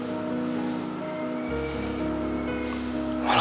di selam panggilan kita